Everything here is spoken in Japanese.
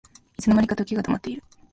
いつの間にか時計が止まってる